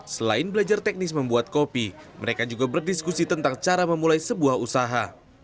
selain belajar teknis membuat kopi mereka juga berdiskusi tentang cara memulai sebuah usaha